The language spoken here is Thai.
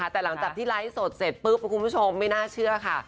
แต่หลังจากที่ไลฟ์สดเสร็จปุ๊บคุณผู้ชมไม่น่าเชื่อค่ะ